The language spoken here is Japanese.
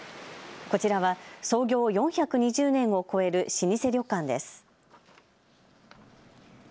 こちらは、創業４２０年を超える老舗旅館です。